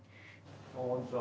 こんにちは。